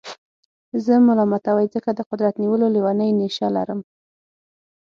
زه ملامتوئ ځکه د قدرت نیولو لېونۍ نېشه لرم.